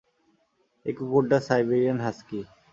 এই কুকুরটা Siberian husky.